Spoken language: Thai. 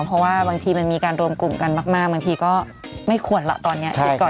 เพราะว่าบางทีมันมีการรวมกลุ่มกันมากบางทีก็ไม่ควรหรอกตอนนี้หยุดก่อน